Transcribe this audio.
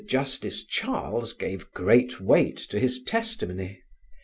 Justice Charles gave great weight to his testimony.